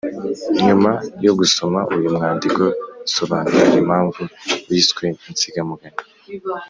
nyuma yo gusoma uyu mwandiko sobanura impamvu wiswe insigamugani.